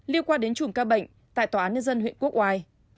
liên quan đến chùm ca bệnh tại tòa án nhân dân huyện quốc oai